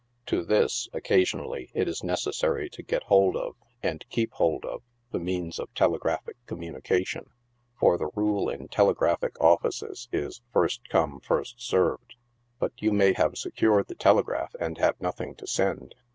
To this, occasionally, it is necessary to get hold of, and keep hold of, the means of telegraphic communication, for the rule in telegraphic offices is first come, first served ; but you may have secured the telegraph, and have nothing to send.